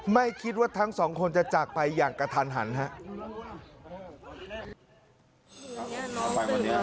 ไม่คิดว่าทั้งสองคนจะจากไปอย่างกระทันหันครับ